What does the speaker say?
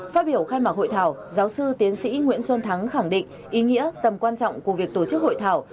phát biểu khai mạc hội thảo giáo sư tiến sĩ nguyễn xuân thắng khẳng định ý nghĩa tầm quan trọng của việc tổ chức hội thảo